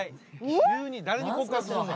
急に誰に告白するの？